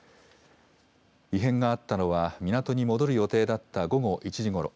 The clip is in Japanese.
異変があったのは、港に戻る予定だった午後１時ごろ。